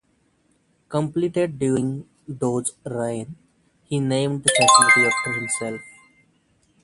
Completed during Doe's reign, he named the facility after himself.